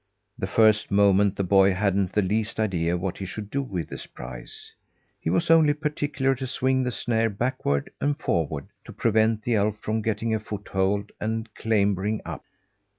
The first moment the boy hadn't the least idea what he should do with his prize. He was only particular to swing the snare backward and forward; to prevent the elf from getting a foothold and clambering up.